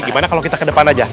gimana kalau kita ke depan aja